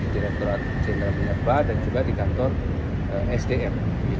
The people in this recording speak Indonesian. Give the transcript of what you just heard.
direkturat jenderal minerba dan juga di kantor sdm